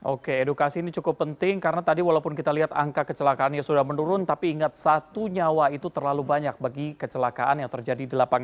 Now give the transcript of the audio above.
oke edukasi ini cukup penting karena tadi walaupun kita lihat angka kecelakaannya sudah menurun tapi ingat satu nyawa itu terlalu banyak bagi kecelakaan yang terjadi di lapangan